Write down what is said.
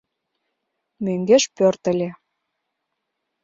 Мӧҥгеш пӧртыльӧ.